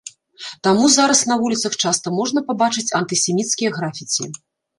Таму зараз на вуліцах часта можна пабачыць антысеміцкія графіці.